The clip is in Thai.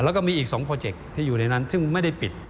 แล้วก็มีอีก๒โปรเจคที่อยู่ในนั้นซึ่งไม่ได้ปิด